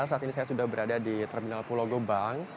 saat ini saya sudah berada di terminal pulau gebang